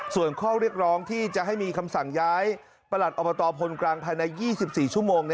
ส่วนข้อเรียกร้องที่จะให้มีคำสั่งย้ายประหลัดอบตพลกลางภายใน๒๔ชั่วโมง